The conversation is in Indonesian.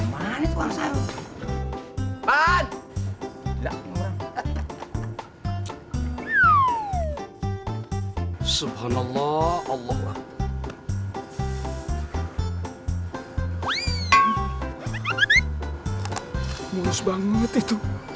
mulus banget itu